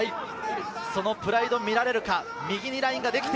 そのプライドが見られるか？